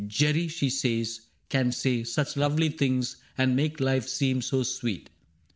" Jerry," she says, " can say Such lovely things, and make life seem so sweet